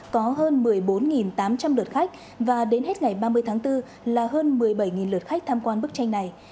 có hơn một mươi bốn tám trăm linh lượt khách và đến hết ngày ba mươi tháng bốn là hơn một mươi bảy lượt khách tham quan bức tranh này